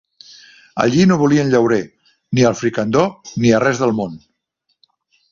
Allí no volien llaurer, ni al fricandó ni a res del món